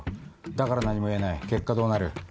だから何も言えない結果どうなる？